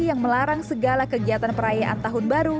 yang melarang segala kegiatan perayaan tahun baru